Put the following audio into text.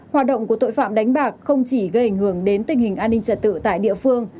hoạt động của tội phạm đánh bạc không chỉ gây ảnh hưởng đến tình hình an ninh trật tự tại địa phương